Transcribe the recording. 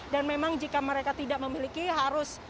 dan memang jika mereka tidak memiliki harus